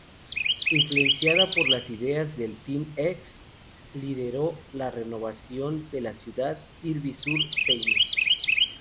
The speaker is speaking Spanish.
Influenciada por las ideas del Team X, lideró la renovación de la ciudad Ivry-sur-Seine.